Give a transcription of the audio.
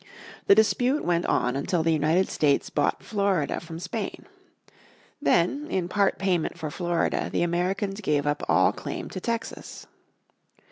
The dispute went on until the United States bought Florida from Spain. Then in part payment for Florida the Americans gave up all claim to Texas.